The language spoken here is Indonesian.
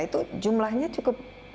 itu jumlahnya cukup